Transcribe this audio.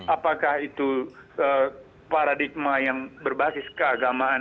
apakah itu paradigma yang berbasis keagamaan